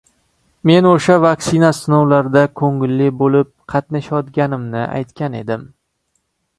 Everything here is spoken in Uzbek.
Men oʻsha vaksina sinovlarida koʻngilli boʻlib qatnashayotganimni aytgan edim.